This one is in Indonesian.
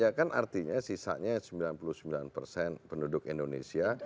ya kan artinya sisanya sembilan puluh sembilan persen penduduk indonesia